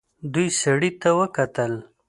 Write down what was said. دوی سړي ته وکتل.